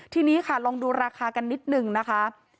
ทีนี้ค่ะลองดูราคากันนิดนึงนะคะ